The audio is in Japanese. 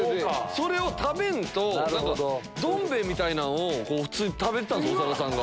それを食べんとどん兵衛みたいなんを普通に食べてたんす長田さんが。